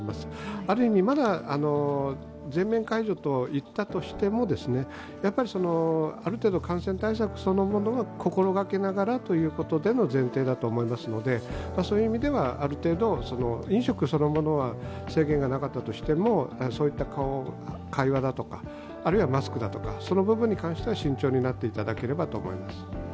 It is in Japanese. ある意味、全面解除といったとしても、ある程度、感染対策そのものを心がけながらということでの前提だと思いますのでそういう意味ではある程度、飲食そのものは制限がなかったとしても会話だとか、あるいはマスクだとかその部分に関しては慎重になっていただければと思います。